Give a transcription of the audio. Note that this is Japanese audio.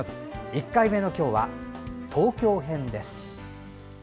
１回目の今日は東京編です。